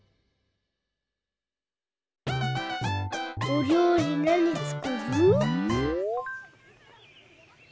おりょうりなにつくる？